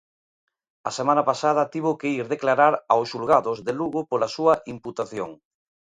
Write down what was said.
A pasada semana tivo que ir declarar aos xulgados de Lugo pola súa imputación.